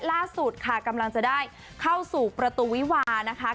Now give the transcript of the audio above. ล่าสุดกำลังจะได้เข้าสู่ประตูวิวา